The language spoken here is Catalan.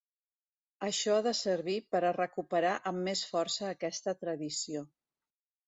Això ha de servir per a recuperar amb més força aquesta tradició.